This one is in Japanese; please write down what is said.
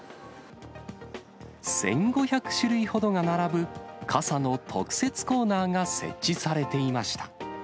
１５００種類ほどが並ぶ、傘の特設コーナーが設置されていました。